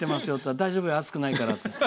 大丈夫よ、熱くないからって。